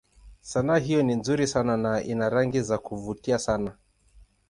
Sanaa hiyo ni nzuri sana na ina rangi za kuvutia sana.